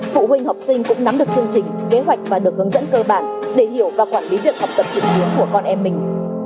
phụ huynh học sinh cũng nắm được chương trình kế hoạch và được hướng dẫn cơ bản để hiểu và quản lý việc học tập trực tuyến của con em mình